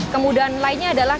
kemudian lainnya adalah